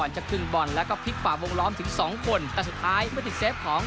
จังหว่านี้เกิดขึ้นในช่วงทีเด็ดหลัง